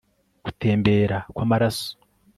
gutembera kw'amaraso